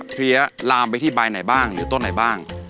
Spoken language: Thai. เพลียลามไปที่ใบไหนบ้างหรือต้นไหนบ้าง